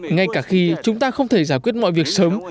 ngay cả khi chúng ta không thể giải quyết mọi việc sớm